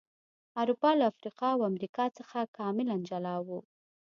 اروپا له افریقا او امریکا څخه کاملا جلا و.